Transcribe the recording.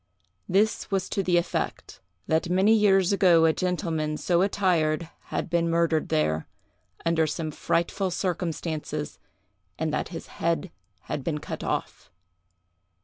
This was to the effect, that many years ago a gentleman so attired had been murdered there, under some frightful circumstances, and that his head had been cut off.